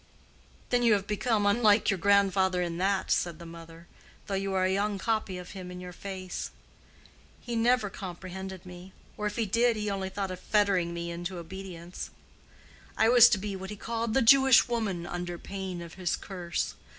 "Then you have become unlike your grandfather in that." said the mother, "though you are a young copy of him in your face. He never comprehended me, or if he did, he only thought of fettering me into obedience. I was to be what he called 'the Jewish woman' under pain of his curse.